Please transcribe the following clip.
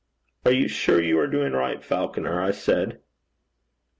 'Are you sure you are doing right, Falconer?' I said.